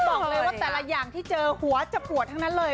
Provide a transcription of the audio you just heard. บอกเลยว่าแต่ละอย่างที่เจอหัวจะปวดทั้งนั้นเลย